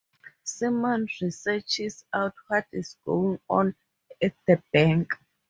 Simon searches out what is going on at the bank.